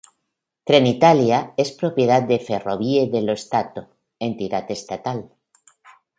Trenitalia es propiedad de Ferrovie dello Stato, entidad estatal.